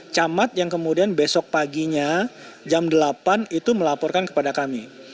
camat yang kemudian besok paginya jam delapan itu melaporkan kepada kami